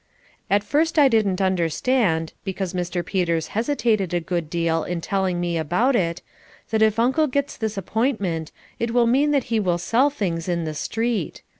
At first I didn't understand because Mr. Peters hesitated a good deal in telling me about it that if Uncle gets this appointment, it will mean that he will sell things in the street.